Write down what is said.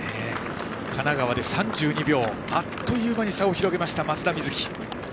神奈川で３２秒あっという間に差を広げた松田瑞生。